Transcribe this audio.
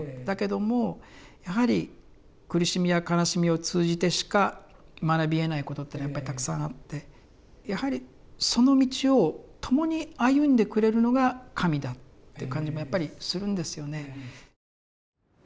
だけどもやはり苦しみや悲しみを通じてしか学びえないことっていうのはやっぱりたくさんあってやはりその道を共に歩んでくれるのが神だっていう感じもやっぱりするんですよね。